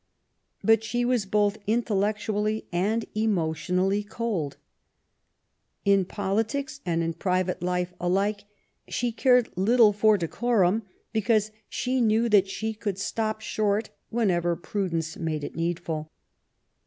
But she was both intellectually and emotionally cold. In politics and in private life alike she cared little for decorum, because she knew that she could stop short whenever prudence made it needful.